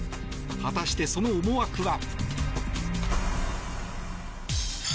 果たして、その思惑は。